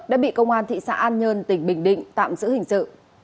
đã bị công an thị xã an nhơn tỉnh bình định tạm giữ hình sự